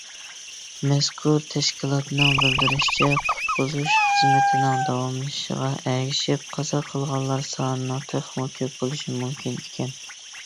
مەزكۇر تەشكىلاتنىڭ بىلدۈرۈشىچە، قۇتقۇزۇش خىزمىتىنىڭ داۋاملىشىشىغا ئەگىشىپ قازا قىلغانلار سانىنىڭ تېخىمۇ كۆپ بولۇشى مۇمكىن ئىكەن.